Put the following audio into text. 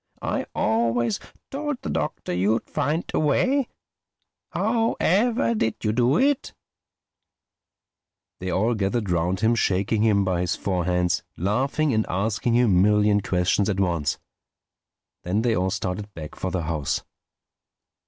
I always told the Doctor you'd find a way. How ever did you do it?" They all gathered round him shaking him by his four hands, laughing and asking him a million questions at once. Then they all started back for the house.